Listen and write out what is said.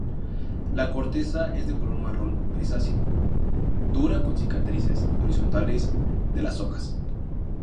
La corteza es de color marrón grisáceo, dura con cicatrices horizontales de las hojas.